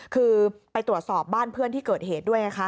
คือไปตรวจสอบบ้านเพื่อนที่เกิดเหตุด้วยไงคะ